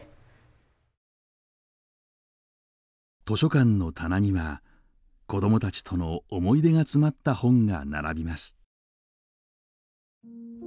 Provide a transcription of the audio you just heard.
図書館の棚には子どもたちとの思い出が詰まった本が並びます。